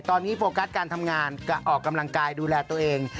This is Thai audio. ตอนนี้โฟกัสการทำงานกับออกกำลังกายดูแลตัวเอง